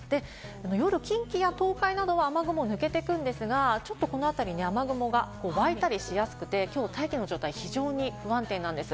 夜、近畿や東海などは雨雲が抜けていくんですが、この辺り、雨雲が湧いたりしやすくて、きょう大気の状態が非常に不安定なんです。